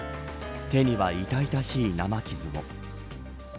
手には痛々しい生傷も。